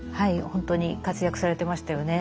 本当に活躍されてましたよね。